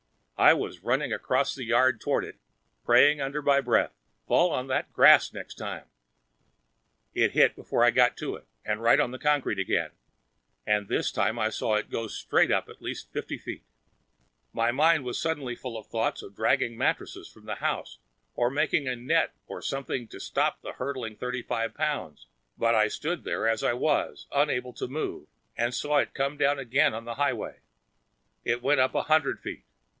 I was running across the yard toward it, praying under my breath, Fall on that grass next time. It hit before I got to it, and right on the concrete again, and this time I saw it go straight up at least fifty feet. My mind was suddenly full of thoughts of dragging mattresses from the house, or making a net or something to stop that hurtling thirty five pounds; but I stood where I was, unable to move, and saw it come down again on the highway. It went up a hundred feet.